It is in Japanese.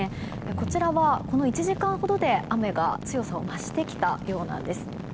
こちらはこの１時間ほどで雨が強さを増してきたようなんです。